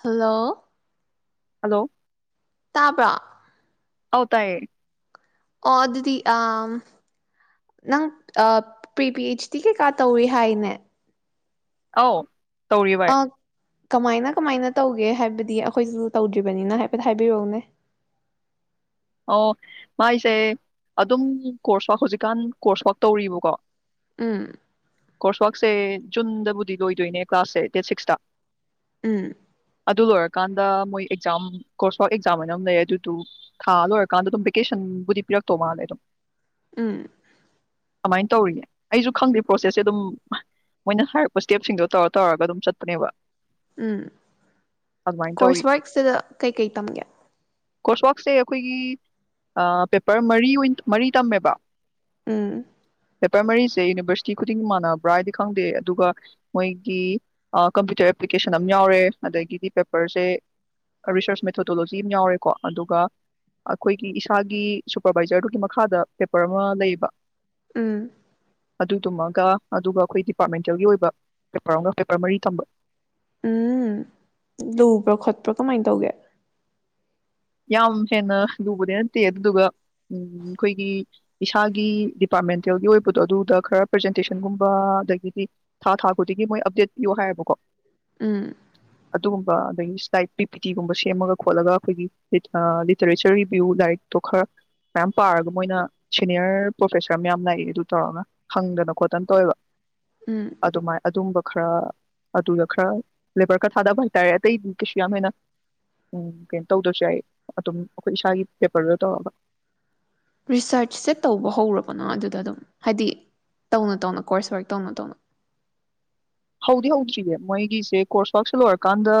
Hello hello ꯇꯥꯕ꯭ꯔꯥ ꯍꯥꯎ ꯇꯑꯌꯦ ꯑꯣ ꯑꯗꯨꯗꯤ ꯅꯪ ꯄ꯭ꯔꯤ ꯄꯤ ꯑꯩꯆꯇꯗꯤ ꯀꯩꯀꯥ ꯇꯧꯏ ꯍꯥꯏꯅꯦ ꯑ ꯇꯧꯔꯤ ꯚꯏ ꯀꯃꯥꯏꯅ ꯀꯃꯥꯏꯅ ꯇꯧꯒꯦ ꯍꯥꯏꯕꯗꯤ ꯑꯩꯈꯣꯏꯁꯤꯁꯨ ꯇꯧꯗ꯭ꯔꯤꯕꯅꯤꯅ ꯍꯥꯏꯐꯦꯠ ꯍꯥꯏꯕꯤꯔꯛꯎꯅꯦ ꯑꯣ ꯃꯥꯏꯁꯦ ꯑꯗꯨꯝ ꯀꯣꯔꯁ ꯋꯥꯥꯛ ꯍꯧꯖꯤꯛꯀꯥꯟ ꯀꯣꯔꯁ ꯋꯥꯛ ꯇꯧꯔꯤꯕꯀꯣ ꯎꯝ ꯀꯣꯔꯁ ꯋꯥꯔꯥꯛꯁꯦ ꯖꯨꯟꯗꯕꯨꯗꯤ ꯂꯣꯏꯗꯣꯏꯅꯦ ꯀ꯭ꯂꯥꯁꯁꯦ ꯗꯦꯠ ꯁꯤꯛꯁꯇ ꯎꯝ ꯑꯗꯨ ꯂꯣꯏꯔꯀꯥꯟꯗ ꯃꯣꯏ ꯑꯦꯛꯖꯥꯝ ꯀꯣꯔꯁ ꯋꯥꯐ ꯑꯦꯛꯖꯥꯝ ꯍꯥꯏꯅ ꯑꯃ ꯂꯩ ꯑꯗꯨꯗꯨ ꯊꯥ ꯂꯣꯏꯔꯀꯥꯟꯗ ꯑꯗꯨꯝ ꯚꯦꯀꯦꯁꯟꯕꯨꯗꯤ ꯄꯤꯔꯛꯇꯧ ꯃꯥꯜꯂꯦ ꯑꯗꯨꯝ ꯎꯝ ꯀꯃꯥꯏꯅ ꯇꯧꯔꯤꯌꯦ ꯑꯩꯁꯨ ꯈꯪꯗꯦ ꯄ꯭ꯔꯣꯁꯦꯁꯁꯦ ꯑꯗꯨꯝ ꯃꯣꯏꯅ ꯍꯥꯏꯔꯛꯄ ꯁ꯭ꯇꯦꯞꯁꯤꯡꯗꯣ ꯇꯧꯔ ꯇꯧꯔꯒ ꯑꯗꯨꯝ ꯆꯠꯄꯅꯦꯕ ꯎꯝ ꯑꯗꯨꯃꯥꯏꯅ ꯇꯧꯔꯤ ꯀꯣꯔꯁ ꯋꯥꯔꯛꯁꯤꯗ ꯀꯩꯀꯩ ꯇꯝꯒꯦ ꯀꯣꯁ ꯋꯥꯁꯦ ꯑꯩꯈꯣꯏꯒꯤ ꯑ ꯄꯦꯄꯔ ꯃꯔꯤ ꯃꯔꯤ ꯇꯝꯃꯦꯕ ꯎꯝ ꯄꯦꯄꯔ ꯃꯔꯤꯁꯦ ꯌꯨꯅꯤꯕꯔꯁꯤꯇꯤ ꯈꯨꯗꯤꯡ ꯃꯥꯟꯅꯕ꯭ꯔꯥ ꯍꯥꯏꯗꯤ ꯈꯪꯗꯦ ꯑꯗꯨꯒ ꯃꯣꯏꯒꯤ ꯀꯝꯄ꯭ꯌꯨꯇꯔ ꯑꯦꯄ꯭ꯂꯤꯀꯦꯁꯟ ꯑꯃ ꯌꯥꯎꯔꯦ ꯑꯗꯒꯤꯗꯤ ꯄꯦꯄꯔꯁꯦ ꯔꯤꯁꯔꯁ ꯃꯦꯊꯣꯗꯣꯂꯣꯖꯤ ꯑꯃ ꯌꯥꯎꯔꯦꯀꯣ ꯑꯗꯨꯒ ꯑꯈꯣꯏꯒꯤ ꯏꯁꯥꯒꯤ ꯁꯨꯄꯔꯕꯥꯏꯖꯔꯗꯨꯒꯤ ꯃꯈꯥꯗ ꯄꯦꯄꯔ ꯑꯃ ꯂꯩꯌꯦꯕ ꯎꯝ ꯑꯗꯨꯗꯨꯝꯃꯒ ꯑꯗꯨꯒ ꯑꯩꯈꯣꯏ ꯗꯤꯄꯥꯔꯠꯃꯦꯟꯇꯦꯜꯒꯤ ꯑꯣꯏꯕ ꯄꯦꯄꯔ ꯑꯃꯒ ꯄꯦꯄꯔ ꯃꯔꯤ ꯊꯝꯕ ꯎꯝ ꯂꯨꯕ꯭ꯔꯥ ꯈꯣꯠꯄ꯭ꯔꯥ ꯀꯃꯥꯏꯅ ꯇꯧꯒꯦ ꯌꯥꯝ ꯍꯦꯟꯅ ꯂꯨꯕꯗꯤ ꯅꯠꯇꯦ ꯑꯗꯨꯗꯨꯒ ꯑꯩꯈꯣꯏꯒꯤ ꯏꯁꯥꯒꯤ ꯗꯤꯄꯥꯔꯠꯃꯦꯟꯇꯦꯜꯒꯤ ꯑꯣꯏꯕꯗꯣ ꯑꯗꯨꯗ ꯈꯔ ꯄ꯭ꯔꯖꯦꯟꯇꯦꯁꯟꯒꯨꯝꯕ ꯑꯗꯒꯤꯗꯤ ꯊꯥ ꯊꯥ ꯈꯨꯗꯤꯒꯤ ꯃꯣꯏ ꯑꯞꯗꯦꯠ ꯄꯌꯣ ꯍꯥꯏꯌꯦꯕꯀꯣ ꯎꯝ ꯑꯗꯨꯒꯨꯝꯕ ꯑꯗꯒꯤ ꯁ꯭ꯂꯥꯏꯠ ꯄꯤ ꯄꯤ ꯇꯤ ꯒꯨꯝꯕ ꯁꯦꯝꯃꯒ ꯈꯣꯠꯂꯒ ꯑꯩꯈꯣꯏꯒꯤ ꯑ ꯂꯤꯇꯔꯦꯆꯔ ꯔꯤꯕꯤꯌꯨ ꯂꯥꯏꯔꯤꯛꯇꯣ ꯈꯔ ꯃꯌꯥꯝ ꯄꯥꯔꯒ ꯃꯣꯏꯅ ꯁꯤꯅꯤꯌꯔ ꯄ꯭ꯔꯣꯐꯦꯁꯔ ꯃꯌꯥꯝ ꯂꯥꯛꯏ ꯑꯗꯨ ꯇꯧꯔꯒ ꯍꯪꯗꯅ ꯈꯣꯠꯇꯅ ꯇꯧꯋꯦꯕ ꯎꯝ ꯑꯗꯨꯃꯥꯏ ꯑꯗꯨꯝꯕ ꯈꯔ ꯑꯗꯨꯗ ꯈꯔ ꯂꯦꯕꯔ ꯈꯔ ꯊꯥꯗꯕ ꯍꯥꯏꯇꯥꯔꯦ ꯑꯇꯩꯗꯤ ꯀꯩꯁꯨ ꯌꯥꯝ ꯍꯦꯟꯅ ꯀꯩꯅꯣ ꯇꯧꯗ꯭ꯔꯁꯨ ꯌꯥꯏ ꯑꯗꯨꯝ ꯑꯈꯣꯏ ꯏꯁꯥꯒꯤ ꯄꯦꯄꯔꯗ ꯇꯧꯔꯒ ꯔꯤꯁꯔꯁꯁꯦ ꯇꯧꯕ ꯍꯧꯔꯕꯅꯣ ꯑꯗꯨꯗ ꯑꯗꯨꯝ ꯍꯥꯏꯗꯤ ꯇꯧꯅ ꯇꯧꯅ ꯀꯣꯔꯁ ꯋꯥꯔꯛ ꯇꯧꯅ ꯇꯧꯅ ꯍꯧꯗꯤ ꯍꯧꯗ꯭ꯔꯤꯌꯦ ꯃꯣꯏꯒꯤꯁꯦ ꯀꯣꯔꯁ ꯋꯛꯁꯦ ꯂꯣꯏꯔꯀꯥꯟꯗ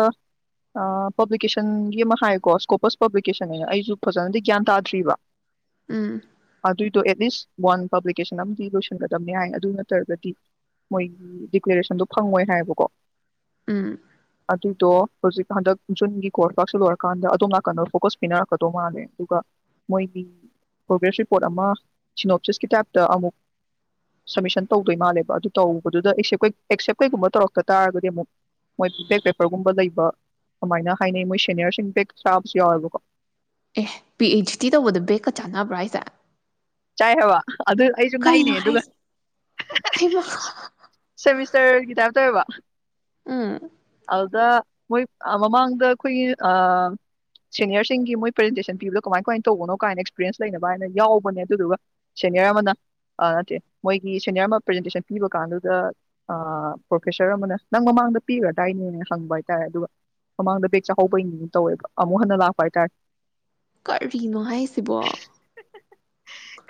ꯄꯕ꯭ꯂꯤꯀꯦꯁꯟꯒꯤ ꯑꯃ ꯍꯥꯏꯌꯦꯀꯣ ꯁꯀꯣꯄꯁ ꯄꯕ꯭ꯂꯤꯀꯦꯁꯟ ꯍꯥꯏꯅ ꯑꯩꯁꯨ ꯐꯖꯅꯗꯤ ꯒ꯭ꯌꯥꯟ ꯇꯥꯗ꯭ꯔꯤꯕ ꯎꯝ ꯑ ꯗꯨꯏꯗꫭ ꯑꯦꯠꯂꯤꯁ ꯋꯥꯟ ꯄꯕ꯭ꯂꯤꯀꯦꯁꯟ ꯑꯃꯗꯤ ꯂꯣꯏꯁꯤꯟꯒꯗꯕꯅꯤ ꯍꯥꯏ ꯑꯗꯨ ꯅꯠꯇ꯭ꯔꯒꯗꯤ ꯃꯣꯏꯒꯤ ꯗꯤꯀ꯭ꯂꯦꯔꯦꯁꯟꯗꯣ ꯐꯪꯉꯣꯏ ꯍꯥꯏꯌꯦꯕꯀꯣ ꯎꯝ ꯑꯗꯨꯗꯣ ꯍꯧꯖꯤꯛ ꯍꯟꯗꯛ ꯖꯨꯟꯒꯤ ꯀꯣꯔꯁꯇꯥꯛꯁꯨ ꯂꯣꯏꯔꯀꯥꯟꯗ ꯑꯗꯣꯝ ꯅꯥꯀꯟꯗ ꯐꯣꯀꯁ ꯄꯤꯅꯔꯛꯀꯗꯧ ꯃꯥꯜꯂꯦ ꯑꯗꯨꯒ ꯃꯣꯏꯒꯤ ꯄ꯭ꯔꯣꯒ꯭ꯔꯦꯁ ꯔꯤꯄꯣꯔꯠ ꯑꯃ ꯁꯤꯅꯣꯞꯁꯤꯁꯀꯤ ꯇꯥꯏꯞꯇ ꯑꯃꯨꯛ ꯁꯝꯃꯤꯁꯟ ꯇꯧꯗꯣꯏ ꯃꯥꯜꯂꯦꯕ ꯑꯗꯨ ꯇꯧꯕꯗꯨꯗ ꯑꯦꯛꯁꯦꯝ ꯑꯦꯛꯁꯦꯞ ꯀꯩꯒꯨꯝꯕ ꯇꯧꯔꯛꯇ ꯇꯥꯔꯒꯗꯤ ꯑꯃꯨꯛ ꯃꯣꯏ ꯕꯦꯛ ꯄꯦꯄꯔꯒꯨꯝꯕ ꯂꯩꯕ ꯑꯗꯨꯃꯥꯏꯅ ꯍꯥꯏꯅꯩ ꯃꯣꯏ ꯁꯦꯅꯤꯌꯔꯁꯤꯡ ꯕꯦꯛ ꯁꯥꯥꯕꯁꯨ ꯌꯥꯎꯋꯦꯕ ꯑꯦ ꯄꯤ ꯍꯩꯁ ꯗꯤ ꯇꯧꯕꯗ ꯕꯦꯒꯀ ꯆꯥꯟꯅꯕ꯭ꯔꯥ ꯍꯥꯏꯁꯦ ꯆꯥꯏ ꯍꯥꯏꯕ ꯑꯗꯨ ꯑꯩꯁꯨ ꯉꯥꯛꯏꯅꯦ ꯀꯩꯅꯣ ꯑꯗꯨꯒ ꯍꯥꯏꯁꯦ ꯍꯩꯃꯥ ꯁꯦꯃꯤꯁꯇꯔꯒꯤ ꯇꯥꯏꯞ ꯇꯧꯋꯦꯕ ꯎꯝ ꯗ ꯃꯣꯏ ꯃꯃꯥꯡꯗ ꯑꯩꯈꯣꯏꯒꯤꯑ ꯁꯦꯅꯤꯌꯔꯁꯤꯡꯒꯤ ꯃꯣꯏ ꯄ꯭ꯔꯖꯦꯟꯇꯦꯁꯟ ꯄꯤꯕꯗꯣ ꯀꯃꯥꯏ ꯀꯃꯥꯏꯅ ꯇꯧꯕꯅꯣ ꯀꯥꯏꯅ ꯑꯦꯛꯁꯄꯤꯔꯤꯌꯦꯟꯁ ꯂꯩꯅꯕ ꯍꯥꯏꯅ ꯌꯥꯎꯕꯅꯦ ꯑꯗꯨꯗꯨꯒ ꯁꯦꯅꯤꯌꯔ ꯑꯃꯅ ꯅꯠꯇꯦ ꯃꯣꯏꯒꯤ ꯁꯦꯅꯤꯌꯔ ꯑꯃ ꯄ꯭ꯔꯖꯦꯟꯇꯦꯁꯟ ꯄꯤꯕ ꯀꯥꯟꯗꯨꯗ ꯄ꯭ꯔꯣꯐꯦꯁꯔ ꯑꯃꯅ ꯅꯪ ꯃꯃꯥꯡꯗ ꯄꯤꯈ꯭ꯔꯗꯥꯏꯅꯦꯅ ꯍꯪꯕ ꯍꯥꯏꯇꯥꯔꯦ ꯑꯗꯨꯒ ꯃꯃꯥꯡꯗ ꯕꯦꯛ ꯆꯥꯍꯧꯕꯒꯤ ꯇꯧꯋꯦꯕ ꯑꯃꯨꯛ ꯍꯟꯅ ꯂꯥꯛꯄ ꯍꯥꯏꯇꯥꯔꯦ ꯀꯔꯤꯅꯣ ꯍꯥꯏꯁꯤꯕꯣ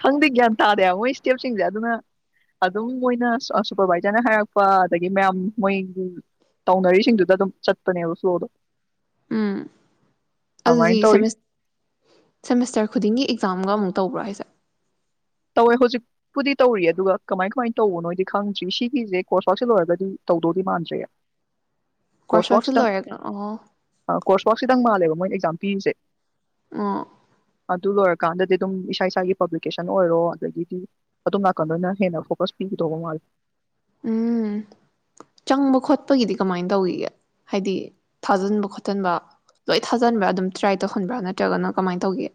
ꯈꯪꯗꯦ ꯒ꯭ꯌꯥꯟ ꯇꯥꯗꯦꯕ ꯃꯣꯏ ꯏꯁꯇꯦꯞꯁꯤꯡꯁꯦ ꯑꯗꯨꯅ ꯑꯗꯨꯝ ꯃꯣꯏꯅ ꯁꯨꯄꯔꯕꯥꯏꯖꯔꯅ ꯍꯥꯏꯔꯛꯄ ꯑꯗꯒꯤ ꯃꯌꯥꯝ ꯃꯣꯏꯒꯤ ꯇꯧꯅꯔꯤꯁꯤꯡꯗꯨꯗ ꯑꯗꯨꯝ ꯆꯠꯄꯅꯦꯕ ꯐ꯭ꯂꯣꯗꯣ ꯎꯝ ꯑꯗꯨꯗꯤ ꯑꯗꯨꯃꯥꯏꯅ ꯇꯧꯔꯤ ꯁꯦꯃꯤꯁ ꯁꯦꯃꯤꯁꯇꯔ ꯈꯨꯗꯤꯡꯒꯤ ꯑꯦꯛꯖꯥꯝꯒ ꯑꯃꯨꯛ ꯇꯧꯕ꯭ꯔꯥ ꯍꯥꯏꯁꯦ ꯇꯧꯋꯦ ꯍꯧꯖꯤꯛꯄꯨꯗꯤ ꯇꯧꯔꯤ ꯑꯗꯨꯒ ꯀꯃꯥꯏ ꯀꯃꯥꯏꯅ ꯇꯧꯕꯅꯣꯏꯗꯤ ꯈꯪꯗ꯭ꯔꯤ ꯁꯤꯒꯤꯁꯦ ꯀꯣꯔꯁ ꯥꯛꯁꯜ ꯂꯣꯏꯔꯒꯗꯤ ꯇꯧꯗꯧꯗꯤ ꯃꯥꯟꯗ꯭ꯔꯦ ꯀꯣꯔꯁ ꯋꯥꯔꯛ ꯋꯥꯔꯛꯁꯨ ꯁꯤꯇꯪ ꯂꯣꯏꯔꯒ ꯑꯣ ꯑ ꯀꯣꯔꯁ ꯋꯥꯛ ꯁꯤꯇꯪ ꯃꯥꯜꯂꯦꯕ ꯃꯣꯏ ꯑꯦꯛꯖꯥꯝ ꯄꯤꯔꯤꯁꯦ ꯑ ꯑꯗꯨ ꯂꯣꯏꯔꯀꯥꯟꯗꯗꯤ ꯑꯗꯨꯝ ꯏꯁꯥ ꯏꯁꯥꯒꯤ ꯄꯕ꯭ꯂꯤꯀꯦꯁꯟ ꯑꯣꯏꯔꯣ ꯑꯗꯒꯤꯗꯤ ꯑꯗꯨꯝ ꯅꯥꯀꯟꯗꯅ ꯍꯦꯟꯅ ꯐꯣꯀꯁ ꯄꯤꯒꯗꯧꯕ ꯃꯥꯜꯂꯦ ꯎꯝ ꯆꯪꯕ ꯈꯣꯠꯄꯒꯤꯗꯤ ꯀꯃꯥꯏꯅ ꯇꯧꯒꯤꯒꯦ ꯍꯥꯏꯗꯤ ꯊꯥꯖꯟꯕ ꯈꯣꯠꯆꯟꯕ ꯂꯣꯏ ꯊꯥꯖꯟꯕ꯭ꯔꯥ ꯑꯗꯨꯝ ꯇ꯭ꯔꯥꯏ ꯇꯧꯍꯟꯕ꯭ꯔꯥ ꯅꯠꯇ꯭ꯔꯒꯅ ꯀꯃꯥꯏꯅ ꯇꯧꯒꯦ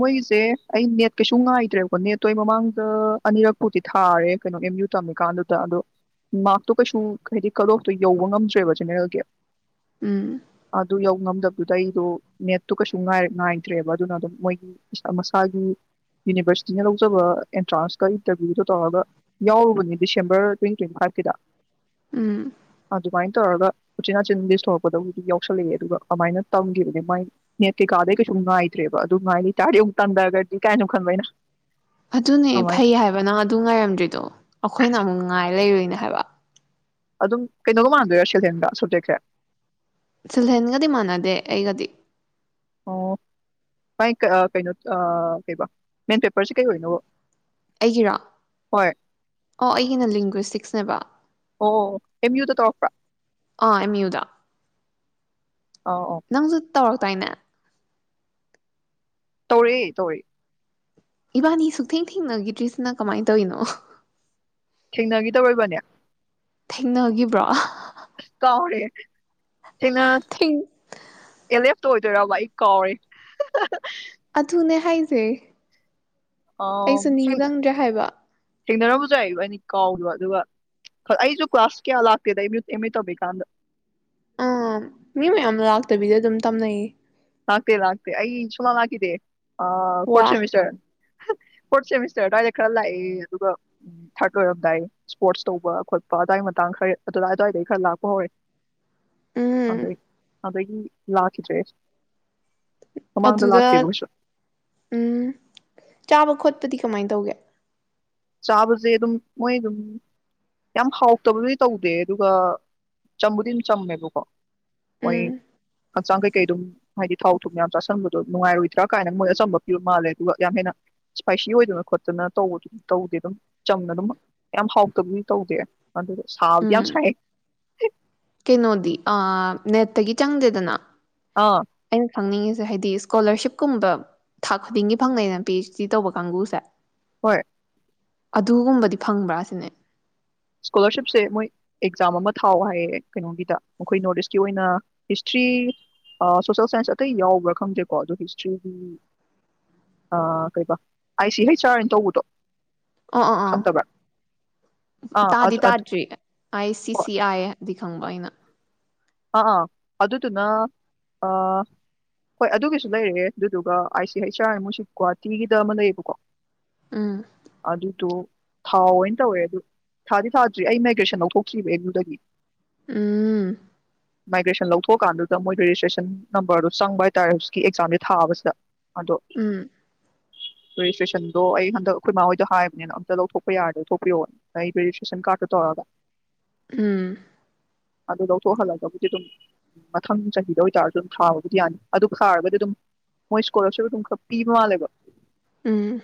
ꯃꯣꯏꯒꯤꯁꯦ ꯑꯩ ꯅꯦꯠ ꯀꯩꯁꯨ ꯉꯥꯏꯗ꯭ꯔꯦꯕꯀꯣ ꯅꯦꯠꯇꯣ ꯑꯩ ꯃꯃꯥꯡꯗ ꯑꯅꯤꯔꯛꯄꯨꯗꯤ ꯊꯥꯔꯦ ꯀꯩꯅꯣ ꯑꯦꯝ ꯌꯨ ꯇꯝꯃꯤꯀꯥꯟꯗꯨꯗ ꯑꯗꯣ ꯃꯥꯔꯛꯇꯣ ꯀꯩꯁꯨ ꯍꯥꯏꯗꯤ ꯀꯠ ꯑꯣꯐꯇꯣ ꯌꯧꯕ ꯉꯝꯗ꯭ꯔꯦꯕ ꯖꯦꯅꯦꯔꯦꯜꯒꯤ ꯎꯝ ꯑꯗꯨ ꯌꯧ ꯉꯝꯗꯕ ꯑꯗꯨꯗꯩꯗꯣ ꯅꯦꯠꯇꯨ ꯀꯩꯁꯨ ꯉꯥꯏꯇ꯭ꯔꯦꯕ ꯑꯗꯨꯅ ꯑꯗꯨꯝ ꯃꯣꯏꯒꯤ ꯏꯁꯥ ꯃꯁꯥꯒꯤ ꯌꯨꯅꯤꯕꯔꯁꯤꯇꯤꯅ ꯂꯧꯖꯕ ꯑꯦꯟꯇ꯭ꯔꯥꯟꯁꯀ ꯏꯟꯇꯔꯚꯤꯌꯨꯗꯣ ꯇꯧꯔꯒ ꯌꯥꯎꯔꯨꯕꯅꯦ ꯗꯤꯁꯦꯝꯕꯔ ꯇ꯭ꯋꯦꯟꯇ ꯇ꯭ꯋꯦꯟꯇꯤ ꯐꯥꯏꯚꯀꯤꯗ ꯎꯝ ꯑꯗꯨꯃꯥꯏꯅ ꯇꯧꯔꯒ ꯃꯆꯤꯟꯅꯥꯆꯤꯟ ꯂꯤꯁ ꯊꯣꯛꯂꯛꯄꯗꯕꯨꯗꯤ ꯌꯥꯎꯁꯜꯂꯛꯑꯦ ꯑꯗꯨꯒ ꯑꯗꯨꯃꯥꯏꯅ ꯇꯝꯈꯤꯕꯅꯦ ꯃꯥꯏ ꯅꯦꯠ ꯀꯩꯀꯥꯗꯩ ꯀꯩꯁꯨꯨꯝ ꯉꯥꯏꯗ꯭ꯔꯦꯕ ꯑꯗꯨꯉꯥꯏꯅꯤ ꯆꯥꯔ ꯑꯃꯨꯛ ꯇꯟꯊꯒꯗꯤ ꯀꯥꯏꯅꯣ ꯈꯟꯕꯩꯅ ꯑꯗꯨꯅꯦ ꯐꯩ ꯍꯥꯏꯕ ꯅꯪ ꯑꯗꯨ ꯉꯥꯏꯔꯝꯗ꯭ꯔꯤꯗꯣ ꯑꯩꯈꯣꯏꯅ ꯑꯃꯨꯛ ꯉꯥꯏ ꯂꯩꯔꯣꯏꯅꯦ ꯍꯥꯏꯕ ꯑꯗꯨꯝ ꯀꯩꯅꯣꯒ ꯃꯥꯟꯗꯣꯏꯔꯣ ꯁꯦꯜꯊꯦꯟꯒ ꯁꯨꯇꯦꯛꯈ꯭ꯔꯦ ꯁꯤꯜꯊꯦꯟꯒꯗꯤ ꯃꯥꯟꯅꯗꯦ ꯑꯩꯒꯗꯤ ꯑꯣ ꯃꯥꯏ ꯀꯩꯅꯣ ꯀꯩ ꯃꯦꯟ ꯄꯦꯄꯔꯁꯦ ꯀꯩꯅꯣ ꯑꯩꯒꯤꯔꯣ ꯑꯣ ꯑꯩꯒꯤꯅ ꯂꯤꯡꯒ꯭ꯋꯁꯇꯤꯛꯁꯅꯦꯕ ꯑꯣ ꯑꯣ ꯑꯦꯝ ꯌꯨꯗ ꯇꯧꯔꯛꯄ꯭ꯔꯥ ꯑꯥ ꯑꯦꯝ ꯌꯨꯗ ꯑ ꯑ ꯇꯧꯔꯛꯇꯣꯏꯅꯦ ꯇꯧꯔ ꯇꯧꯔ ꯏꯕꯥꯅꯤ ꯁꯨꯛꯊꯦꯡ ꯊꯦꯡꯅꯈꯤꯗ꯭ꯔꯤꯁꯤꯅ ꯀꯃꯥꯏꯅ ꯇꯧꯔꯤꯅꯣ ꯊꯦꯡꯅꯈꯤ ꯇꯧꯕꯅꯦ ꯊꯦꯡꯅꯈꯤꯕ꯭ꯔꯣ ꯀꯥꯎꯅꯦꯦ ꯊꯅꯂ ꯇꯣꯏꯗꯣꯏꯔꯕ ꯑꯩ ꯀꯥꯎꯔꯦ ꯍꯥꯏꯥꯏꯖꯩ ꯑꯝ ꯑꯩꯁꯨ ꯅꯤꯡꯁꯤꯡꯗ꯭ꯔꯦ ꯍꯥꯏꯕ ꯊꯦꯡꯅꯔꯝꯕꯁꯨ ꯍꯥꯏꯗ ꯏꯕꯥꯟꯅꯤ ꯀꯥꯎꯗꯣ ꯑꯗꯨꯒ ꯑꯩꯁꯨ ꯀ꯭ꯂꯥꯁ ꯀꯌꯥ ꯂꯥꯛꯇꯦꯗ ꯑꯦꯝ ꯑꯦ ꯇꯝꯃꯤ ꯀꯥꯟꯗ ꯑꯥ ꯃꯤ ꯃꯌꯥꯝ ꯂꯥꯛꯇꯕꯤꯗ ꯑꯗꯨꯝ ꯇꯝꯅꯩꯌꯦ ꯂꯥꯛꯇꯦ ꯂꯥꯛꯇꯦ ꯑꯩ ꯁꯨꯃꯥꯡ ꯂꯥꯛꯀꯗꯦ ꯑ ꯀꯣꯁꯦ ꯋꯥ ꯃꯤꯁꯔ ꯐꯣꯔꯠ ꯁꯦꯃꯤꯁꯇꯔ ꯑꯗꯨꯋꯥꯏꯗ ꯈꯔ ꯂꯥꯛꯑꯦ ꯑꯗꯨꯒ ꯎ ꯊꯥꯔꯠ ꯑꯣꯏꯔꯝꯗꯥꯏ ꯏꯁꯄꯣꯔꯠꯁ ꯇꯧꯕ ꯈꯣꯠꯄ ꯑꯗꯨꯋꯥꯏ ꯃꯇꯥꯡ ꯈꯔ ꯑꯗꯨꯋꯥꯏ ꯑꯗꯨꯋꯥꯏꯗꯩ ꯈꯔ ꯂꯥꯛꯄ ꯍꯧꯔꯦ ꯎꯝ ꯑꯗ ꯑꯗꯒꯤ ꯂꯥꯛꯈꯤꯗ꯭ꯔꯦ ꯃꯃꯥꯡꯗ ꯑꯗꯨꯗ ꯂꯥꯛꯇꯦꯕ ꯀꯩꯁꯨ ꯎꯝ ꯆꯥꯕ ꯈꯣꯠꯄ ꯞꯗꯤ ꯀꯃꯥꯏꯅ ꯇꯧꯒꯦ ꯆꯥꯕꯁꯦ ꯑꯗꯨꯝ ꯃꯣꯏ ꯑꯗꯨꯝ ꯌꯥꯝ ꯍꯥꯎꯇꯕꯗꯨꯗꯤ ꯇꯧꯗꯦ ꯑꯗꯨꯒ ꯆꯝꯕꯨꯗꯤ ꯑꯗꯨꯝ ꯆꯝꯃꯦꯕꯀꯣ ꯍꯣꯏ ꯎꯝ ꯍꯛꯆꯥꯡ ꯀꯩꯀꯩ ꯑꯗꯨꯝ ꯍꯥꯏꯗꯤ ꯊꯥꯎ ꯊ ꯊꯣꯛ ꯌꯥꯝ ꯆꯥꯥꯁꯟꯕꯗꯣ ꯅꯨꯡꯉꯥꯏꯔꯣꯏꯗ꯭ꯔꯥ ꯀꯥꯏꯅ ꯃꯣꯏ ꯑꯆꯝꯕ ꯄꯤꯕ ꯃꯥꯜꯂꯦ ꯑꯗꯨꯒ ꯌꯥꯝ ꯍꯦꯟꯅ ꯏꯁꯄꯥꯏꯁꯤ ꯑꯣꯏꯗꯅ ꯈꯣꯠꯇꯅ ꯇꯧꯕꯗꯨ ꯇꯧꯗꯦ ꯑꯗꯨꯝ ꯆꯝꯅ ꯑꯗꯨꯝ ꯌꯥꯝ ꯍꯥꯎꯇꯕꯗꯤ ꯇꯧꯗꯦ ꯑꯗꯨ ꯁꯥꯕꯗꯤ ꯌꯥꯝ ꯁꯥꯏ ꯀꯦꯩꯅꯣꯗꯤ ꯑ ꯅꯦꯔꯇꯩꯒꯤ ꯆꯪꯗꯦꯗꯅ ꯑꯥ ꯑ ꯈꯪꯅꯤꯡꯉꯤꯁꯦ ꯍꯥꯏꯗꯤ ꯏꯁꯀꯣꯂꯥꯔꯁꯤꯞꯀꯨꯝꯕ ꯊꯥ ꯈꯨꯗꯤꯡꯒꯤ ꯐꯪꯅꯩꯩꯅ ꯄꯤ ꯑꯩꯆ ꯗꯤ ꯇꯧꯕ ꯀꯥꯡꯕꯨꯁꯦ ꯍꯣꯏ ꯑꯗꯨꯒꯨꯝꯕꯗꯤ ꯐꯪꯕ꯭ꯔꯥ ꯁꯤꯅꯦ ꯏꯁꯀꯣꯂꯥꯔꯁꯤꯞꯁꯦ ꯃꯣꯏ ꯑꯦꯛꯖꯥꯝ ꯑꯃ ꯊꯥꯎ ꯍꯥꯏꯌꯦ ꯀꯩꯅꯣꯒꯤꯗ ꯃꯈꯣꯏ ꯅꯣꯔꯠ ꯏꯁꯀꯤ ꯑꯣꯏꯅ ꯍꯤꯁꯇ꯭ꯔꯤ ꯁꯣꯁꯦꯜ ꯁꯥꯏꯟꯁ ꯑꯇꯩ ꯌꯥꯎꯕ꯭ꯔꯥ ꯈꯪꯗꯦꯀꯣ ꯑꯗꯣ ꯍꯤꯁꯇ꯭ꯔꯤꯒꯤ ꯀꯩꯕ ꯑꯥꯏ ꯁꯤ ꯍꯩꯆ ꯑꯥꯔ ꯍꯥꯏꯅ ꯇꯧꯕꯗꯣ ꯑ ꯑꯥ ꯑꯥ ꯈꯪꯗꯕ꯭ꯔꯥ ꯑꯥ ꯇꯥꯗꯤ ꯑꯗꯨ ꯑꯗꯨ ꯇꯥꯗ꯭ꯔꯤ ꯑꯥꯏ ꯁꯤ ꯍꯣꯏ ꯁꯤ ꯑꯥꯏ ꯗꯤ ꯈꯪꯕ ꯑꯩꯅ ꯑꯥ ꯑꯥ ꯑꯗꯨꯗꯨꯅ ꯑꯥ ꯍꯣꯏ ꯑꯗꯨꯒꯤꯁꯨ ꯂꯩꯔꯦ ꯑꯗꯨꯗꯨꯒ ꯍꯩꯁ ꯑꯥꯔ ꯑꯥꯃꯨꯁꯤ ꯒꯨꯋꯥꯍꯥꯇꯤꯒꯤꯗ ꯑꯃ ꯂꯩꯌꯦꯕꯀꯣ ꯎꯝ ꯑꯗꯨꯗ‌ꯣ ꯇꯣ ꯊꯥꯎ ꯑꯣꯏꯅ ꯇꯧꯋꯦ ꯑꯗꯨ ꯊꯥꯗꯤ ꯊꯥꯗ꯭ꯔꯤ ꯑꯩ ꯃꯥꯏꯒ꯭ꯔꯦꯁꯟ ꯂꯧꯊꯣꯛꯇ꯭ꯔꯤꯕ ꯑꯦꯝ ꯌꯨꯗꯒꯤ ꯎꯝ ꯃꯥꯏꯒ꯭ꯔꯦꯁꯟ ꯂꯧꯊꯣꯛꯑꯀꯥꯟꯗꯨꯗ ꯃꯣꯏ ꯔꯦꯖꯤꯁꯇ꯭ꯔꯦꯁꯟ ꯅꯝꯕꯔꯗꯨꯣ ꯆꯪꯕ ꯍꯥꯏꯇꯥꯔꯦ ꯍꯧꯖꯤꯛꯀꯤ ꯑꯦꯛꯖꯥꯝꯁꯦ ꯊꯥꯕꯁꯤꯗ ꯑꯗꯣ ꯎꯝ ꯔꯦꯖꯤꯁꯇ꯭ꯔꯦꯁꯟꯗꯣ ꯑꯩ ꯍꯟꯗꯛ ꯑꯩꯈꯣꯏ ꯃꯥꯥꯍꯣꯏꯗ ꯍꯥꯏꯕꯅꯤꯅ ꯑꯝꯇ ꯂꯧꯊꯣꯛꯄ ꯌꯥꯔꯗꯤ ꯂꯧ ꯊꯣꯛꯄꯤꯔꯛꯑꯣ ꯑꯩ ꯔꯦꯖꯤꯁꯇ꯭ꯔꯦꯁꯟ ꯀꯥꯔꯠꯇꯣ ꯇꯧꯔꯒ ꯎꯝ ꯑꯗꯨ ꯂꯧ ꯊꯣꯛꯍꯜꯂꯒꯕꯨꯗꯤ ꯑꯗꯨꯝ ꯃꯊꯪ ꯆꯍꯤꯗ ꯑꯣꯏꯇꯥꯔꯁꯨ ꯑꯗꯨꯝ ꯊꯥꯕꯕꯨꯗꯤ ꯌꯥꯅꯤ ꯑꯗꯨ ꯊꯥꯔꯒꯗꯤ ꯑꯗꯨꯝ ꯃꯣꯏ ꯏꯁꯀꯣꯂꯔꯁꯤꯞ ꯑꯗꯨꯝ ꯈꯔ ꯄꯤꯕ ꯃꯥꯜꯂꯦꯕ ꯎꯝ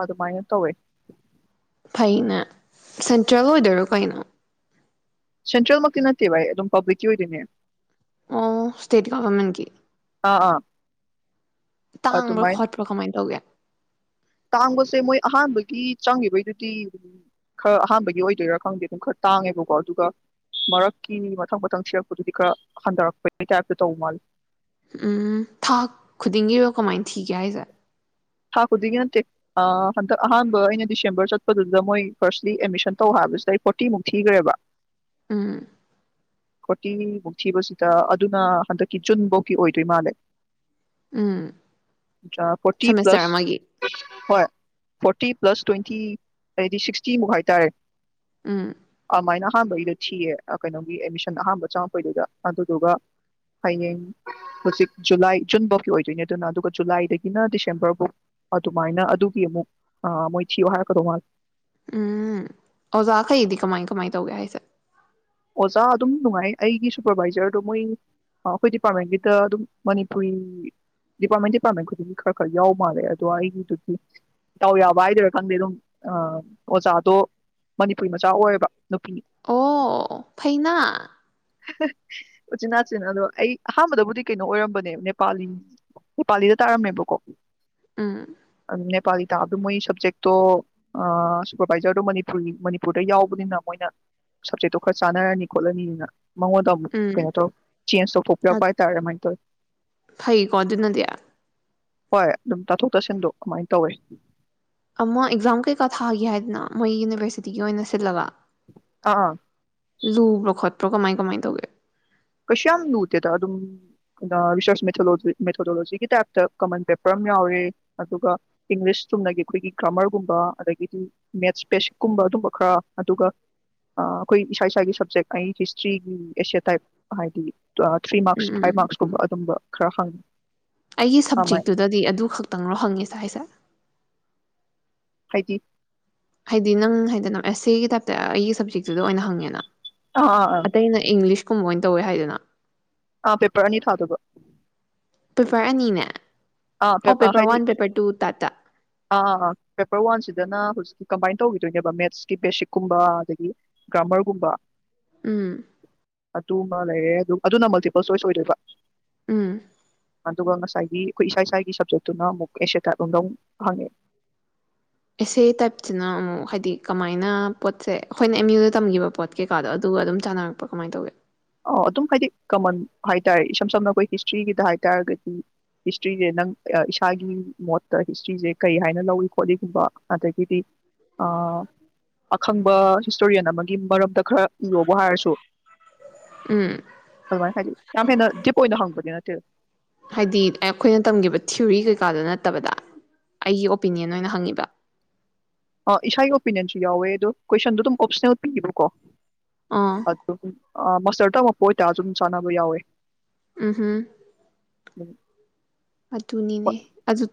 ꯑꯗꯨꯃꯥꯏ ꯇꯧꯋꯦ ꯐꯩꯅꯦ ꯁꯦꯟꯇ꯭ꯔꯦꯜ ꯑꯣꯏꯗꯣꯏꯔꯣ ꯀꯩꯅꯣ ꯁꯦꯟꯇ꯭ꯔꯦꯜꯃꯛꯇꯤ ꯅꯠꯇꯦ ꯚꯥꯏ ꯑꯗꯨꯝ ꯄꯥꯕ꯭ꯂꯤꯛꯀꯤ ꯑꯣꯏꯗꯣꯏꯅꯦ ꯑꯣ ꯁꯇꯦꯠ ꯒ‌ꯣꯕ꯭ꯔꯟꯃꯦꯟ ꯀꯤ ꯑꯥ ꯑꯥ ꯇꯥꯡꯕ꯭ꯔꯥ ꯑꯗꯨꯃꯥꯏꯅ ꯈꯣꯠꯄ꯭ꯔꯥ ꯀꯃꯥꯏꯅ ꯇꯧꯒꯦ ꯇꯥꯡꯕꯁꯦ ꯃꯣꯏ ꯑꯍꯥꯟꯕꯒꯤ ꯆꯪꯉꯒꯤꯕꯩꯗꯨꯗꯤ ꯈꯔ ꯑꯍꯥꯟꯕꯒꯤ ꯑꯣꯏꯗꯣꯏꯔꯥ ꯈꯪꯗꯦ ꯑꯗꯨꯝ ꯈꯔ ꯇꯥꯡꯉꯦꯕꯀꯣ ꯑꯗꯨꯒ ꯃꯔꯛꯀꯤꯅꯤ ꯃꯊꯪ ꯃꯊꯪ ꯁꯤꯔꯛꯄꯗꯨꯗꯤ ꯈꯔ ꯍꯟꯊꯔꯛꯄꯒꯤ ꯇꯥꯏꯞꯇ ꯇꯧ ꯃꯥꯜꯂꯦ ꯎꯝ ꯊꯥ ꯈꯨꯗꯤꯡꯒꯤꯔꯣ ꯀꯃꯥꯏꯅ ꯊꯤꯒꯦ ꯍꯥꯏꯁꯦ ꯊꯥ ꯈꯨꯗꯤꯡꯒꯤ ꯅꯠꯇꯦ ꯍꯟꯗꯛ ꯑꯍꯥꯟꯕ ꯑꯩꯅ ꯗꯤꯁꯦꯝꯕꯔ ꯆꯠꯄꯗꯨꯗ ꯃꯣꯏ ꯐꯥꯔꯁꯂꯤ ꯑꯦꯠꯃꯤꯁꯟ ꯇꯧ ꯍꯥꯏꯕꯁꯤꯗ ꯑꯩ ꯐꯣꯔꯇꯤꯃꯨꯛ ꯊꯤꯈ꯭ꯔꯦꯕ ꯎꯝ ꯐꯣꯔꯇꯤ ꯃꯨꯛ ꯊꯤꯕꯁꯤꯗ ꯑꯗꯨꯅ ꯍꯟꯗꯛꯀꯤ ꯖꯨꯟꯐꯧꯒꯤ ꯑꯣꯏꯗꯣꯏ ꯃꯥꯜꯂꯦ ꯎꯝ ꯐꯣꯔꯇꯤ ꯁꯦꯃꯤꯁꯇꯔ ꯑꯃꯒꯤ ꯍꯣꯏ ꯐꯣꯔꯇꯤ ꯄ꯭ꯂꯁ ꯇ꯭ꯋꯦꯟꯇꯤ ꯍꯥꯏꯗꯤ ꯁꯤꯛꯁꯇꯤꯃꯨꯛ ꯍꯥꯏꯇꯥꯔꯦ ꯎꯝ ꯀꯃꯥꯏꯅ ꯑꯍꯥꯟꯕꯩꯗ ꯊꯤꯌꯦ ꯀꯩꯅꯣꯒꯤ ꯑꯦꯗꯃꯤꯁꯟ ꯑꯍꯥꯟꯕ ꯆꯪꯉꯛꯄꯩꯗꯨꯗ ꯑꯗꯨꯗꯨꯒ ꯍꯌꯦꯡ ꯍꯧꯖꯤꯛ ꯖꯨꯂꯥꯏ ꯖꯨꯟꯐꯧꯒꯤ ꯑꯣꯏꯗꯣꯏꯅꯦ ꯑꯗꯨꯅ ꯑꯗꯨꯒ ꯖꯨꯂꯥꯏꯗꯒꯤꯅ ꯗꯤꯁꯦꯝꯕꯔ ꯑꯗꯨꯃꯥꯏꯅ ꯑꯗꯨꯒꯤ ꯑꯃꯨꯛ ꯑ ꯃꯣꯏ ꯊꯤꯌꯨ ꯍꯥꯏꯔꯛꯀꯗꯧ ꯃꯥꯂ ꯎꯝ ꯑꯣꯖꯥꯈꯩꯗꯤ ꯀꯃꯥꯏ ꯀꯃꯥꯏ ꯇꯧꯒꯦ ꯍꯥꯏꯁꯦ ꯑꯣꯖꯥ ꯑꯗꯨꯝ ꯅꯨꯡꯉꯥꯏ ꯑꯩꯒꯤ ꯁꯨꯄꯔꯕꯥꯏꯖꯔꯗꯣ ꯃꯣꯏ ꯑꯩꯈꯣꯏ ꯗꯤꯄꯥꯔꯠꯃꯦꯟꯒꯤꯗ ꯑꯗꯨꯝ ꯃꯅꯤꯄꯨꯔꯤ ꯗꯤꯄꯥꯔꯠꯃꯦꯟ ꯗꯤꯄꯥꯔꯠꯃꯦꯟ ꯈꯨꯗꯤꯡꯒꯤ ꯈꯔ ꯈꯔ ꯌꯥꯎ ꯃꯥꯜꯂꯦ ꯑꯗꯣ ꯑꯩꯒꯤꯗꯨꯗꯤ ꯏꯇꯥꯎ ꯌꯥꯕ ꯍꯥꯏꯗꯣꯏꯔꯥ ꯈꯪꯗꯦ ꯑꯗꯨꯝ ꯑꯣꯖꯥꯗꯣ ꯃꯅꯤꯄꯨꯔꯤ ꯃꯆꯥ ꯑꯣꯏꯌꯦꯕ ꯅꯨꯄꯤꯅꯤ ꯑꯣ ꯐꯩꯅꯥ ꯎꯆꯆꯤꯟꯅꯥꯆꯤꯟ ꯑꯗꯣ ꯑꯩ ꯑꯍꯥꯟꯕꯗꯕꯨꯗꯤ ꯀꯩꯅꯣ ꯑꯣꯏꯔꯝꯕꯅꯦ ꯅꯦꯄꯥꯂꯤ ꯅꯦꯄꯥꯂꯤꯗ ꯇꯥꯔꯝꯅꯦꯕꯀꯣ ꯎꯝ ꯅꯦꯄꯥꯂꯤ ꯇꯥꯕꯗ ꯃꯣꯏ ꯁꯞꯖꯦꯛꯇꯣ ꯁꯨꯄꯔꯕꯥꯏꯖꯔꯗꯣ ꯃꯅꯤꯄꯨꯔꯤ ꯃꯅꯤꯄꯨꯔꯗ ꯌꯥꯎꯕꯅꯤꯅ ꯃꯣꯏꯅ ꯁꯞꯖꯦꯛꯇꯣ ꯈꯔ ꯆꯥꯟꯅꯔꯅꯤ ꯈꯣꯠꯂꯅꯤꯅ ꯃꯉꯣꯟꯗ ꯑꯃꯨꯛ ꯎꯝ ꯀꯩꯅꯣ ꯇꯧ ꯆꯦꯟꯖ ꯇꯧꯊꯣꯛꯄꯤꯔꯛꯄ ꯍꯥꯏꯇꯥꯔꯦ ꯀꯃꯥꯏꯅ ꯇꯧꯋꯤ ꯐꯩꯀꯣ ꯑꯗꯨꯅꯗꯤ ꯍꯣꯏ ꯑꯗꯨꯝ ꯇꯥꯊꯣꯛ ꯇꯥꯁꯤꯟꯗ ꯑꯗꯨꯃꯥꯏꯅ ꯇꯧꯋꯤ ꯑꯃ ꯑꯦꯛꯖꯥꯝ ꯀꯩꯀꯥ ꯊꯥꯒꯦ ꯍꯥꯏꯗꯅ ꯃꯣꯏ ꯌꯨꯅꯤꯚꯔꯁꯤꯇꯤꯒꯤ ꯑꯣꯏꯅ ꯁꯤꯜꯂꯒ ꯑꯥ ꯑꯥ ꯂꯨ꯭ꯕꯔꯈꯠ ꯑ꯭ꯔꯣ ꯀꯃꯥꯏ ꯀꯃꯥꯏꯅ ꯇꯧꯒꯦ ꯀꯩꯁꯨ ꯌꯥꯝ ꯂꯨꯗꯦꯗ ꯑꯗꯨꯝ ꯔꯤꯁꯔꯁꯦ ꯃꯦꯊꯣꯗꯣꯂꯣꯖꯤꯒꯤ ꯇꯥꯏꯞꯇ ꯀꯃꯟ ꯄꯦꯄꯔ ꯑꯃ ꯌꯥꯎꯔꯦ ꯑꯗꯨꯒ ꯏꯪꯂꯤꯁ ꯆꯨꯝꯅꯒꯤ ꯑꯩꯈꯣꯏꯒꯤ ꯒ꯭ꯔꯥꯃꯔꯒꯨꯝꯕ ꯑꯗꯒꯤꯗꯤ ꯃꯦꯠꯁ ꯄꯦꯁꯤꯛꯀꯨꯝꯕ ꯑꯗꯨꯝꯕ ꯈꯔ ꯑꯗꯨꯒ ꯑꯩꯈꯣꯏ ꯏꯁꯥ ꯏꯁꯥꯒꯤ ꯁꯕꯖꯦꯛ ꯑꯩ ꯍꯤꯁꯇ꯭ꯔꯤꯒꯤ ꯑꯦꯁꯦ ꯇꯥꯏꯞ ꯍꯥꯗꯤ ꯊ꯭ꯔꯤ ꯎꯝ ꯃꯥꯔꯛꯁ ꯎꯝ ꯎꯝ ꯐꯥꯏꯚ ꯃꯥꯔꯛꯁꯀꯨꯝꯕ ꯑꯗꯨꯝꯕ ꯈ꯭ꯔ ꯍꯪ ꯑꯩꯒꯤ ꯁꯞꯖꯦꯛꯇꯨꯗꯗꯤ ꯑꯗꯨ ꯈꯛꯇꯪꯔꯣ ꯍꯪꯉꯁꯦ ꯍꯥꯏꯁꯦ ꯍꯥꯏꯗꯤ ꯍꯥꯏꯗꯤ ꯅꯪ ꯍꯥꯏꯗꯅ ꯑꯦꯁ ꯑꯦꯒꯤ ꯇꯥꯏꯞꯇ ꯑꯩꯒꯤ ꯁꯞꯖꯦꯛꯇꯨꯗ ꯑꯣꯏꯅ ꯍꯪꯉꯦꯅ ꯑꯥ ꯑꯥ ꯑꯥ ꯑꯇꯩ ꯑꯩꯅ ꯏꯪꯂꯤꯁꯀꯨꯝꯕ ꯑꯣꯏꯅ ꯇꯧꯋꯦ ꯍꯥꯏꯗꯅ ꯑꯥ ꯄꯦꯄꯔ ꯑꯅꯤ ꯊꯥꯗꯕ ꯄꯦꯄꯔ ꯑꯅꯤꯅꯦ ꯑꯣ ꯑꯥ ꯄꯦꯄꯔ ꯍꯥꯏꯗꯤ ꯋꯥꯟ ꯄꯦꯄꯔ ꯇꯨ ꯇꯥꯏꯞꯇ ꯑꯥꯥꯥ ꯄꯦꯄꯔ ꯋꯥꯟꯁꯤꯗꯅꯍꯧꯖꯤꯛ ꯀꯝꯕꯥꯏꯟ ꯇꯧꯈꯤꯗꯣꯏꯅꯦꯕ ꯃꯦꯠꯁꯀꯤ ꯕꯦꯁꯤꯛꯀꯨꯝꯕ ꯑꯗꯒꯤ ꯒ꯭ꯔꯥꯃꯔꯒꯨꯝꯕ ꯎꯝ ꯇꯨ ꯑꯃ ꯂꯩꯔꯦ ꯑꯗꯨ ꯑꯗꯨꯅ ꯃꯜꯇꯤꯄꯜ ꯆꯣꯏꯁ ꯑꯣꯏꯗꯣꯏꯕ ꯎꯝ ꯃꯗꯨꯒ ꯉꯁꯥꯏꯒꯤ ꯑꯩꯈꯣꯏ ꯏꯁꯥ ꯏꯁꯥꯒꯤ ꯁꯞꯖꯦꯛꯇꯨꯅ ꯑꯃꯨꯛ ꯑꯦꯁ ꯇꯥꯏꯠꯂꯣꯝꯗ ꯑꯃꯨꯛ ꯍꯪꯉꯦ ꯏꯁꯩ ꯇꯥꯏꯞꯁꯤꯅ ꯑꯃꯨꯛ ꯍꯥꯏꯗꯤ ꯀꯃꯥꯏꯅ ꯄꯣꯠꯁꯦ ꯑꯩꯈꯣꯏꯅ ꯑꯦꯝ ꯌꯨꯗ ꯇꯝꯈꯤꯕ ꯄꯣꯠ ꯀꯩꯀꯥꯗꯣ ꯑꯗꯨꯒ ꯑꯗꯨꯝ ꯆꯥꯟꯅꯔꯛꯄ ꯀꯃꯥꯏꯅ ꯇꯧꯒꯦ ꯑꯣ ꯑꯗꯨꯝ ꯍꯥꯏꯗꯤ ꯀꯃꯟ ꯍꯥꯏꯇꯥꯥꯔꯦ ꯏꯁꯝ ꯁꯝꯅ ꯑꯩꯈꯣꯏ ꯍꯤꯁꯇ꯭ꯔꯤꯒꯤꯗ ꯍꯥꯏ ꯇꯥꯔꯒꯗꯤ ꯍꯤꯁꯇ꯭ꯔꯤꯁꯦ ꯅꯪ ꯏꯁꯥꯒꯤ ꯃꯣꯠꯇ ꯍꯤꯁꯇ꯭ꯔꯤꯁꯦ ꯀꯩ ꯍꯥꯏꯅ ꯂꯧꯏ ꯈꯣꯠꯂꯤꯒꯨꯝꯕ ꯑꯗꯒꯤꯗꯤ ꯑꯈꯪꯕ ꯍꯤꯁꯇꯣꯔꯤꯌꯟ ꯑꯃꯒꯤ ꯃꯔꯝꯗ ꯈꯔ ꯏꯌꯣꯕ ꯍꯥꯏꯔꯁꯨ ꯎꯝ ꯐꯜꯃ ꯍꯥꯏꯔꯤ ꯌꯥꯝ ꯍꯦꯟꯅ ꯗꯤꯞ ꯑꯣꯏꯅ ꯍꯪꯕꯅꯤ ꯅꯠꯇꯦ ꯍꯥꯏꯗꯤ ꯑꯩꯈꯣꯏꯅ ꯇꯝꯒꯤꯈꯤꯕ ꯊꯤꯌꯔꯤ ꯀꯩꯀꯥꯗꯅ ꯐꯠꯇꯕꯗ ꯑꯩꯒꯤ ꯑꯣꯄꯤꯅꯤꯌꯟ ꯑꯣꯏꯅ ꯍꯪꯉꯤꯕ ꯑ, ꯏꯁꯥꯒꯤ ꯑꯣꯄꯤꯅꯤꯌꯟꯁꯨ ꯌꯥꯎꯋꯦ ꯑꯗꯣ ꯀꯣꯏꯁꯟꯗꯣ ꯑꯗꯨꯝ ꯑꯣꯞꯁꯟꯄꯤꯈꯤꯕꯕꯀꯣ ꯑꯥ ꯑ ꯑ ꯃꯁꯇꯔꯗ ꯑꯃꯛꯄ ꯑꯣꯏꯇꯥꯔꯁꯨ ꯑꯗꯨꯝ ꯆꯥꯟꯅꯕ ꯌꯥꯎꯋꯦ ꯎꯝ ꯎꯝ ꯑꯗꯨꯝ. ꯑꯗꯨꯅꯤꯅꯦ ꯍꯣꯏ ꯑꯗꯨ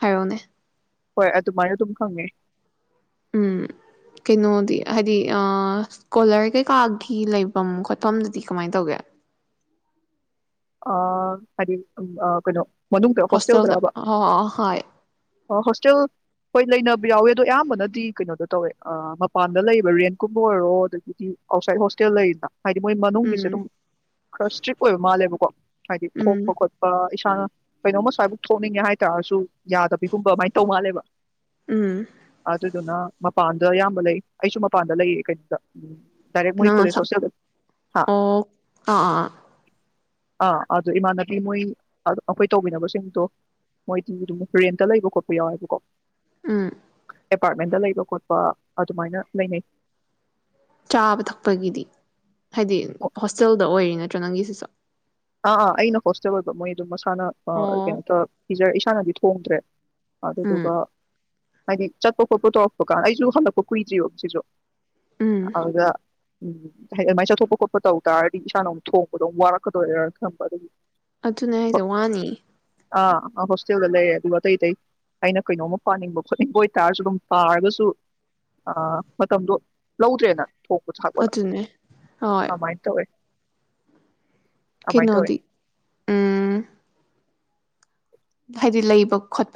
ꯍꯥꯏꯔꯛꯑꯣꯅꯦ ꯍꯣꯏ ꯑꯗꯨꯃꯥꯏꯅ ꯑꯗꯨꯝ ꯈꯪꯉꯦ ꯎꯝ ꯀꯩꯅꯣꯗꯤ ꯍꯥꯏꯗꯤ ꯏꯁꯀꯣꯂꯔ ꯀꯩꯀꯥꯒꯤ ꯂꯩꯐꯝ ꯈꯣꯠꯐꯝꯗꯨꯗꯤ ꯀꯃꯥꯏꯅ ꯇꯧꯒꯦ ꯑ ꯍꯥꯏꯗꯤ ꯑ ꯀꯩꯅꯣ ꯃꯅꯨꯡꯗ ꯍꯣꯁꯇꯦꯜꯦꯜꯗ ꯍꯣꯁꯇꯦꯜꯗꯔꯕ ꯍ ꯍꯣꯁꯇꯦꯜ ꯍꯣꯏ ꯂꯩꯅꯕ ꯌꯥꯎꯋꯦ ꯑꯗꯣ ꯑꯌꯥꯝꯕꯅꯗꯤ ꯀꯩꯅꯣꯗ ꯇꯧꯋꯦ ꯃꯄꯥꯟꯗ ꯂꯩꯕ ꯔꯦꯟꯠꯀꯨꯝꯕ ꯑꯣꯏꯔꯣ ꯑꯗꯒꯤꯗꯤ ꯑꯥꯎꯠꯁꯥꯏꯠ ꯍꯣꯁꯇꯦꯜ ꯂꯩꯔꯤꯅ ꯍꯥꯏꯗꯤ ꯃꯣꯏ ꯎꯝ ꯃꯅꯨꯡꯒꯤꯁꯦ ꯑꯗꯨꯝ ꯈꯔ ꯏꯁꯇ꯭ꯔꯤꯛ ꯑꯣꯏꯕ ꯃꯥꯜꯂꯦꯕ ꯀꯣ ꯍꯥꯏꯗꯤ ꯎꯝ ꯊꯣꯛꯄ ꯈꯣꯠꯄ ꯏꯁꯥꯅ ꯀꯩꯅꯣꯝꯃ ꯁꯥꯏꯐꯛ ꯊꯣꯛꯅꯤꯡꯉꯦ ꯍꯥꯏꯇꯥꯔꯁꯨ ꯌꯥꯗꯕꯤꯒꯨꯝꯕ ꯑꯗꯨꯃꯥꯏꯅ ꯇꯧ ꯃꯥꯜꯂꯦꯕ ꯎꯝ ꯑꯗꯨꯗꯨꯅ ꯃꯄꯥꯟꯗ ꯑꯌꯥꯝꯕ ꯂꯩ ꯑꯩꯁꯨ ꯃꯄꯥꯟꯗ ꯂꯩꯌꯦ ꯀꯩꯅꯣꯗ ꯎꯝ ꯔꯦ ꯃꯣꯏ ꯅꯪ ꯀ ꯁꯁꯦ ꯍꯥ ꯑꯣ ꯑꯥ ꯑꯥ ꯑꯥ ꯑꯗꯨꯗ ꯏꯃꯥꯟꯅꯕꯤ ꯃꯣꯏ ꯑꯩꯈꯣꯏ ꯇꯧꯕꯤꯅꯕꯁꯤꯡꯗꯣ ꯃꯣꯏꯗꯤ ꯑꯗꯨꯝ ꯔꯦꯟꯇ ꯂꯩꯕ ꯈꯣꯠꯄ ꯌꯥꯎꯋꯦꯕꯀꯣ ꯎꯝ ꯑꯦꯄꯥꯔꯠꯃꯦꯟꯗ ꯂꯩꯕ ꯈꯣꯠꯄ ꯑꯗꯨꯃꯥꯏꯅ ꯂꯩꯅꯩ ꯆꯥꯕ ꯊꯛꯄꯒꯤꯗꯤ ꯍꯥꯏꯗꯤ ꯍꯣꯁꯇꯦꯜꯗ ꯑꯣꯏꯔꯤꯅꯤ ꯆꯖꯅꯪꯒꯤꯁꯤꯁꯣ ꯑꯥ ꯑꯥ ꯑꯩꯅ ꯍꯣꯁꯇꯦꯜ ꯑꯣꯏꯕ ꯃꯣꯏ ꯑꯗꯨꯝ ꯑꯣ ꯅꯣ ꯄꯤꯖꯔꯦ ꯏꯁꯥꯅꯗꯤ ꯊꯣꯡꯗ꯭ꯔꯦ ꯎꯝ ꯑꯗꯗꯨꯒ ꯍꯥꯏꯗꯤ ꯆꯠꯄ ꯈꯣꯠꯄ ꯇꯧꯔꯛꯄꯀꯥ ꯑꯩꯁꯨ ꯍꯜꯂꯛꯄ ꯀꯨꯏꯗ꯭ꯔꯤꯣ ꯁꯤꯁꯨ ꯎꯝ ꯍꯗ ꯎꯝ ꯍꯥꯏꯗꯤ ꯑꯗꯨꯃꯥꯏꯅ ꯆꯠꯊꯣꯛꯄ ꯈꯣꯠꯄ ꯇꯧ ꯇꯥꯔꯗꯤ ꯏꯁꯥꯅ ꯑꯃꯨꯛ ꯊꯣꯡꯕꯗꯣꯝ ꯋꯥꯔꯛꯀꯗꯔ ꯀꯝꯕꯔ ꯑꯗꯨꯅꯦ ꯍꯥꯏꯁꯦ ꯋꯥꯅꯤ ꯑꯥ ꯍꯣꯁꯇꯦꯜꯗ ꯂꯩꯔꯦ ꯑꯗꯨꯒ ꯑꯇꯩ ꯑꯇꯩ ꯑꯩꯅ ꯀꯩꯅꯣꯝꯃ ꯄꯥꯅꯤꯡꯕ ꯈꯣꯠꯅꯤꯡꯕ ꯑꯣꯏꯇꯥꯔꯁꯨ ꯑꯗꯨꯝ ꯄꯥꯔꯒꯁꯨ ꯃꯇꯝꯗꯣ ꯂꯧꯗ꯭ꯔꯦꯅ ꯊꯣꯛ ꯊꯕ ꯂꯦ ꯑꯗꯨꯅꯦ ꯍꯣꯏ ꯀꯃꯥꯏꯅ ꯇꯧꯋꯦ [unintelligible] ꯀꯃꯥꯏꯅ ꯇꯧꯋꯦ ꯀꯩꯅꯣꯗꯤ ꯎꯝ ꯍꯥꯏꯗꯤ ꯂꯩꯕ ꯈꯣꯠꯄ